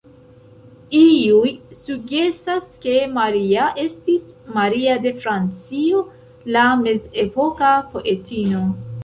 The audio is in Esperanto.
Iuj sugestas ke Maria estis Maria de Francio, la mezepoka poetino.